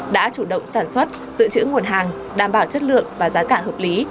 đã chủ động sản xuất dự trữ nguồn hàng đảm bảo chất lượng và giá cả hợp lý